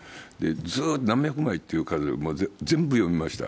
何百枚という数を全部読みました。